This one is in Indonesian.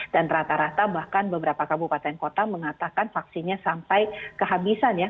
dan rata rata bahkan beberapa kabupaten kota mengatakan vaksinnya sampai kehabisan ya